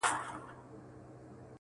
چي شلومبې دي خوښي دي، ځان ته غوا واخله.